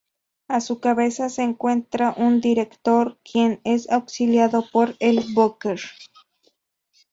A su cabeza se encuentra un director, quien es auxiliado por el booker.